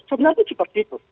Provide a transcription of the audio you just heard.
sebenarnya itu seperti itu